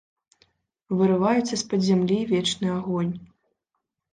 Вырываецца з-пад зямлі вечны агонь.